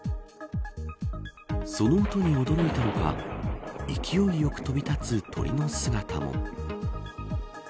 その音に驚いたのか勢いよく飛び立つ鳥の姿も。